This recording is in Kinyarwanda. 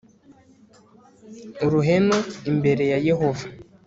uruhenu imbere ya Yehova